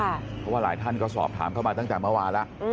เพราะว่าหลายท่านก็สอบถามเข้ามาตั้งแต่เมื่อวานแล้ว